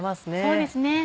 そうですね。